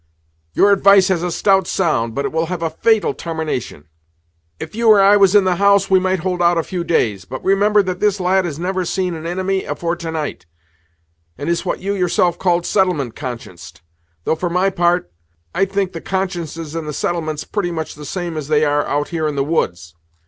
"Your advice has a stout sound, but it will have a fatal tarmination. If you or I was in the house, we might hold out a few days, but remember that this lad has never seen an inimy afore to night, and is what you yourself called settlement conscienced; though for my part, I think the consciences in the settlements pretty much the same as they are out here in the woods.